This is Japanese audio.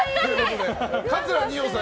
桂二葉さん